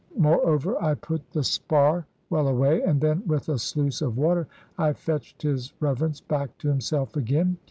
Moreover, I put the spar well away; and then, with a sluice of water, I fetched his Reverence back to himself again.